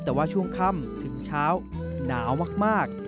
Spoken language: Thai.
แต่ว่าช่วงค่ำถึงเช้าหนาวมาก